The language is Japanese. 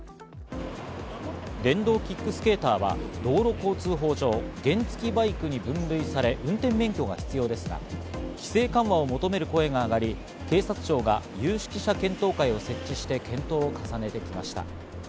電動キックスケーターは道路交通法上、原付バイクに分類され、運転免許が必要なんですが、規制緩和を求める声が上がり、警察庁が有識者検討会を設置して検討を重ねてきました。